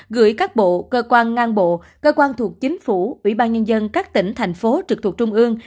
gửi các bộ cơ quan ngang bộ cơ quan thuộc chính phủ ủy ban nhân dân các tỉnh thành phố trực thuộc trung ương